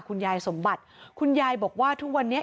คุณยายสมบัติคุณยายบอกว่าทุกวันนี้